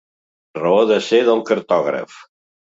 Raó de ser del cartògraf.